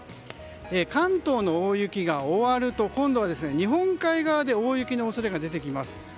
関東の大雪が終わると今度は日本海側で大雪の恐れが出てきます。